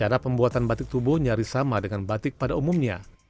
cara pembuatan batik tubuh nyaris sama dengan batik pada umumnya